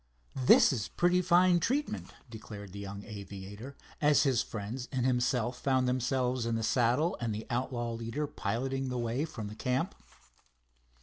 "This is pretty fine treatment," declared the young aviator, as his friends and himself found themselves in the saddle and the outlaw leader piloting the way from the camp.